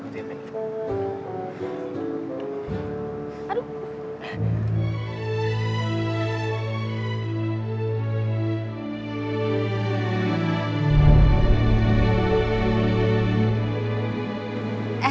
sini aku tiap tiap